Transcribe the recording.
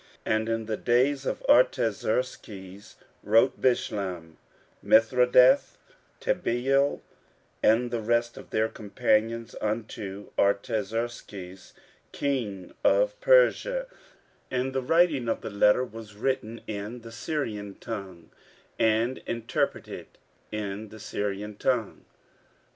15:004:007 And in the days of Artaxerxes wrote Bishlam, Mithredath, Tabeel, and the rest of their companions, unto Artaxerxes king of Persia; and the writing of the letter was written in the Syrian tongue, and interpreted in the Syrian tongue.